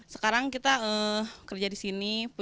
sekarang kita kerja di sini